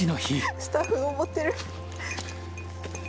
スタッフ登ってる。